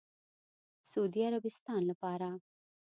سعودي عربستان لپاره